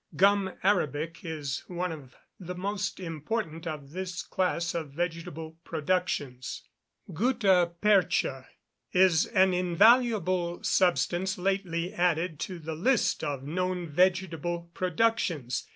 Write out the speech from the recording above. Gum Arabic is one of the most important of this class of vegetable productions. Gutta percha is an invaluable substance lately added to the list of known vegetable productions.